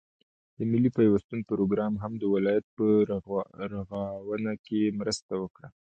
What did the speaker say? د ملي پيوستون پروگرام هم د ولايت په رغاونه كې مرسته وكړه،